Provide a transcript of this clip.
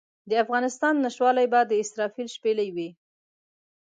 د افغانستان نشتوالی به د اسرافیل شپېلۍ وي.